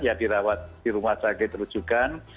ya dirawat di rumah sakit rujukan